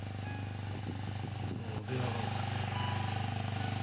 あっあの電話番号はですね。